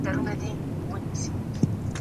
هویت پېژنئ.